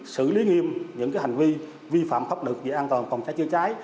sử lý nghiêm những hành vi vi phạm khắc lực về an toàn phòng cháy chữa cháy